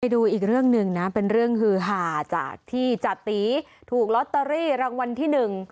ดูอีกเรื่องหนึ่งนะเป็นเรื่องฮือหาจากที่จติถูกลอตเตอรี่รางวัลที่หนึ่ง